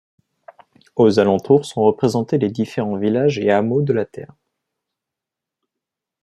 Aux alentours, sont représentés les différents villages et hameaux de la Terre.